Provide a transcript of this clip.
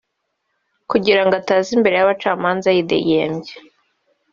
kugirango ataza imbere y’ubucamanza yidegembya